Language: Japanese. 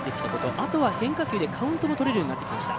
あとは変化球でカウントがとれるようになってきました。